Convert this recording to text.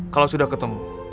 kalau sudah ketemu